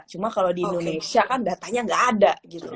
cuma kalo di indonesia kan datanya nggak ada